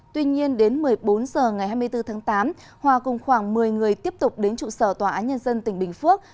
tuy nhiên đến một mươi bốn h ngày hai mươi bốn tháng tám hòa cùng khoảng một mươi người tiếp tục đến trụ sở tòa án nhân dân tỉnh bình phước